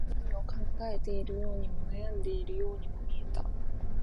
何かを考えているようにも、悩んでいるようにも見えた